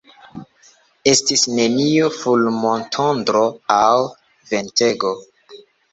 Estis neniu fulmotondro aŭ ventego.